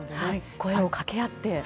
声を掛け合って。